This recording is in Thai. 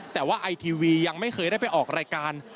แต่ว่าไอทีวียังไม่เคยได้ไปออกรายการ